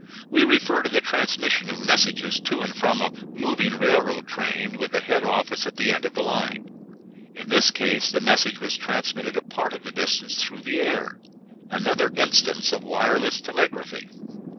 We refer to the transmission of messages to and from a moving railroad train with the head office at the end of the line. In this case the message was transmitted a part of the distance through the air; another instance of wireless telegraphy.